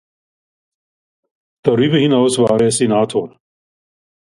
Darüber hinaus war er Senator.